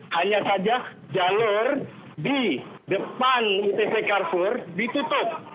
hanya saja jalur di depan itc carrefour ditutup